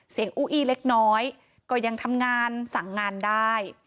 อู้อี้เล็กน้อยก็ยังทำงานสั่งงานได้